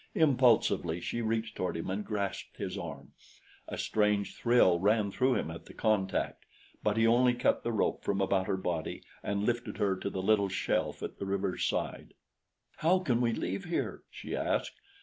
Impulsively she reached toward him and grasped his arm. A strange thrill ran through him at the contact; but he only cut the rope from about her body and lifted her to the little shelf at the river's side. "How can we leave here?" she asked.